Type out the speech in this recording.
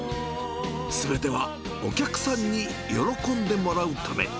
すべてはお客さんに喜んでもらうため。